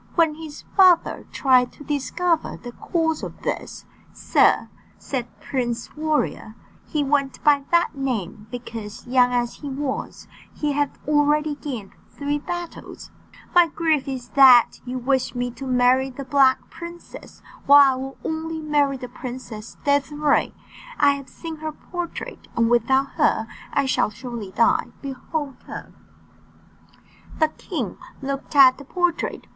When his father tried to discover the cause of this "Sir," said Prince Warrior (he went by that name, because, young as he was, he had already gained three battles), "my grief is that you wish me to marry the Black Princess, while I will only marry the Princess Désirée. I have seen her portrait, and without her I shall surely die. Behold her!" The king looked at the portrait.